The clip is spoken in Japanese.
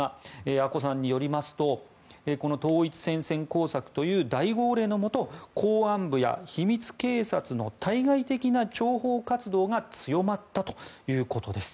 阿古さんによりますとこの統一戦線工作という大号令のもと公安部や秘密警察の対外的な諜報活動が強まったということです。